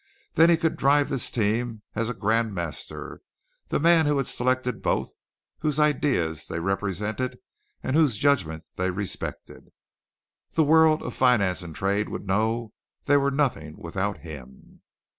Then he could drive this team as a grand master the man who had selected both, whose ideas they represented, and whose judgment they respected. The world of finance and trade would know they were nothing without him.